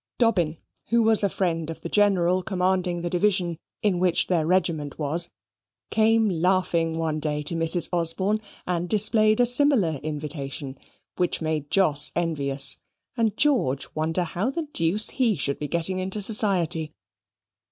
Dobbin, who was a friend of the General commanding the division in which their regiment was, came laughing one day to Mrs. Osborne, and displayed a similar invitation, which made Jos envious, and George wonder how the deuce he should be getting into society.